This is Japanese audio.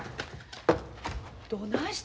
どないしたん？